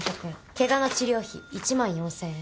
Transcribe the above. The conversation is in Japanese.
けがの治療費１万４，０００円。